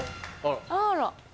あら。